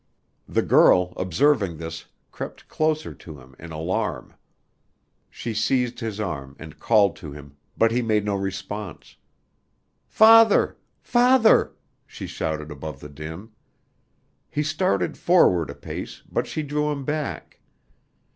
The girl, observing this, crept closer to him in alarm. She seized his arm and called to him, but he made no response. "Father! Father!" she shouted above the din. He started forward a pace, but she drew him back.